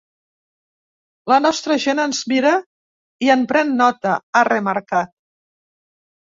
La nostra gent ens mira i en pren nota, ha remarcat.